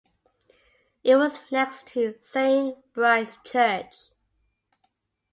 It was next to Saint Bride's Church.